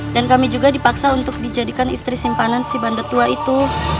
dan kami juga dipaksa untuk dijadikan istri simpanan si bandor tua itu